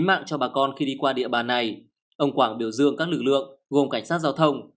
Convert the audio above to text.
đàn chó một mươi năm con của người đàn ông từ long an